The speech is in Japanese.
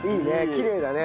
きれいだね。